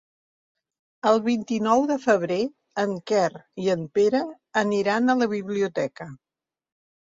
El vint-i-nou de febrer en Quer i en Pere aniran a la biblioteca.